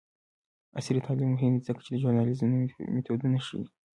عصري تعلیم مهم دی ځکه چې د ژورنالیزم نوې میتودونه ښيي.